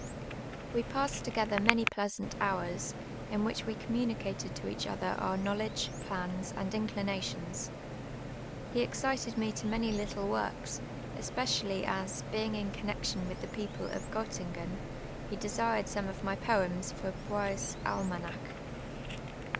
We j)assed together many pleasant hours, in which we communicated to each other our knowledge, plans, and inclinations. He excited me to many little works, especially as, being in connexion with the ])eoj)le of Gottingen, he desired some of my poems for lioie's Ahnanaclt.